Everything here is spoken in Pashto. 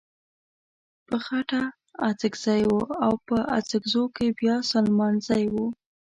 په خټه اڅکزی و او په اڅګزو کې بيا سليمانزی و.